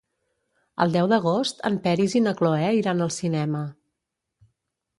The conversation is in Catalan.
El deu d'agost en Peris i na Cloè iran al cinema.